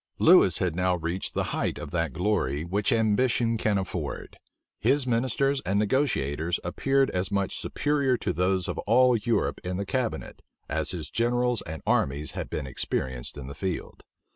Lewis had now reached the height of that glory which ambition can afford. His ministers and negotiators appeared as much superior to those of all Europe in the cabinet, as his generals and armies had been experienced in the field.